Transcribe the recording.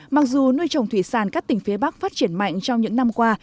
mặc dù nuôi trồng thủy sản các tỉnh phía bắc phát triển mạnh trong những năm qua